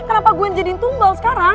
kenapa gue yang jadiin tumbal sekarang